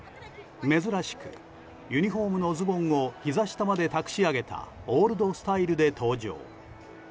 珍しくユニホームのズボンをひざ下までたくし上げたオールドスタイルで登場。